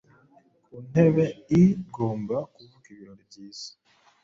Ku ntebeigomba kuvuga ibirori byiza-